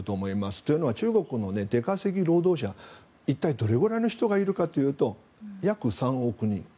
というのは中国の出稼ぎ労働者一体どれぐらいの人がいるかというと約３億人。